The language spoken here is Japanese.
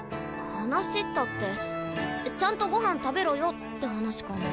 話ったってちゃんとごはん食べろよって話かな？